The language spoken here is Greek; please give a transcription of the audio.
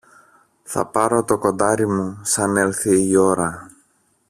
Θα πάρω το κοντάρι μου, σαν έλθει η ώρα.